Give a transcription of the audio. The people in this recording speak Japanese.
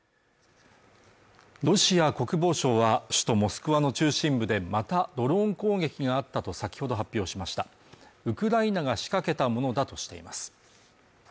ロシア国防省は首都モスクワの中心部でまたドローン攻撃があったと先ほど発表しましたウクライナが仕掛けたものだとしています